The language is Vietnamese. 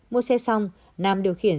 mua xe xong nam điều khiển